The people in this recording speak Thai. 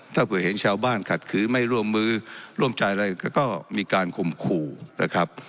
ถ้าเผื่อเห็นชาวบ้านขัดขืนไม่ร่วมมือร่วมใจอะไรก็มีการข่มขู่นะครับ